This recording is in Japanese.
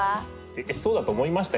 えっそうだと思いました？